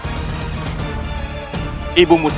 ibu muslihatmu lagi